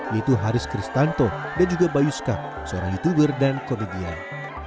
yaitu haris kristanto dan juga bayuska seorang youtuber dan komedian